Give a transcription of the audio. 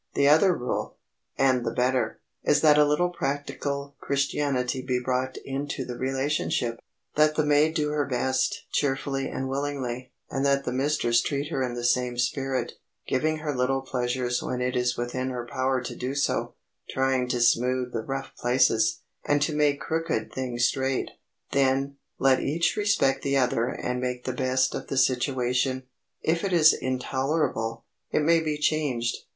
The other rule, and the better, is that a little practical Christianity be brought into the relationship,—that the maid do her best, cheerfully and willingly, and that the mistress treat her in the same spirit, giving her little pleasures when it is within her power to do so, trying to smooth the rough places, and to make crooked things straight. Then, let each respect the other and make the best of the situation. If it is intolerable, it may be changed.